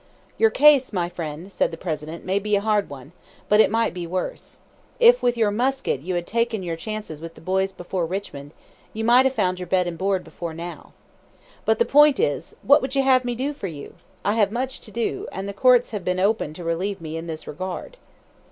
"Your case, my friend," said the President, "may be a hard one, but it might be worse. If, with your musket, you had taken your chances with the boys before Richmond, you might have found your bed and board before now! But the point is, what would you have me do for you? I have much to do, and the courts have been opened to relieve me in this regard."